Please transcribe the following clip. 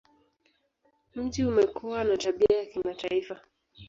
Mji umekuwa na tabia ya kimataifa.